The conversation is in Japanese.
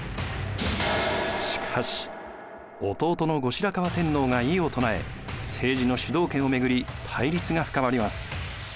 しかし弟の後白河天皇が異を唱え政治の主導権を巡り対立が深まります。